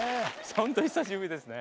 ホント久しぶりですね。